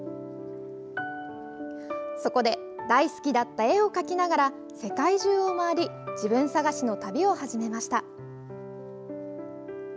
そこで大好きだった絵を描きながら世界中を回り自分探しの旅を始めました。